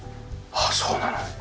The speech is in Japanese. ああそうなの。